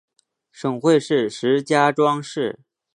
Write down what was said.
省会是石家庄市。